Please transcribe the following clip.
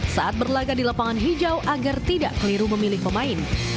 saat berlaga di lapangan hijau agar tidak keliru memilih pemain